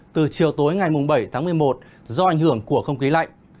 từ chiều tối ngày bảy tháng một mươi một do ảnh hưởng của không khí lạnh